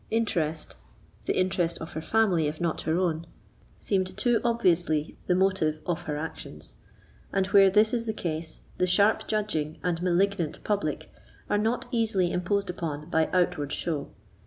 Interest—the interest of her family, if not her own—seemed too obviously the motive of her actions; and where this is the case, the sharp judging and malignant public are not easily imposed upon by outward show.